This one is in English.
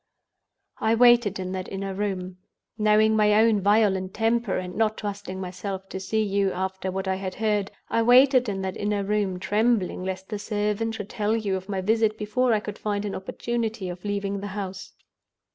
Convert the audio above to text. "I waited in that inner room—knowing my own violent temper, and not trusting myself to see you, after what I had heard—I waited in that inner room, trembling lest the servant should tell you of my visit before I could find an opportunity of leaving the house.